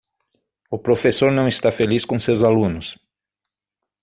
O professor não está feliz com seus alunos.